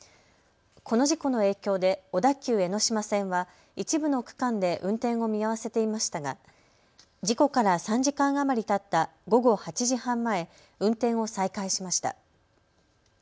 この事故の影響で小田急江ノ島線は一部の区間で運転を見合わせていましたが事故から３時間余りたった午後８時半前、運転を再開しました。